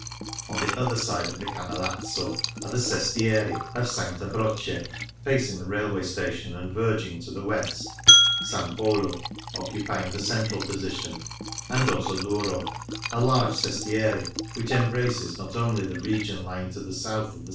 On the other side of the Canalazzo are the sestieri of S. Croce (facing tlie railway station and verging to the west) ; S. Polo, occupying the central position ; and Dorsoduro, a large sestiere which embraces not only the region lying to the south of the S.